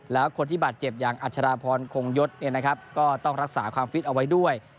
แล้วคนที่บาดเจ็บอย่างอัชราพรคงยศก็ต้องรักษาความฟิตเอาไว้ด้วย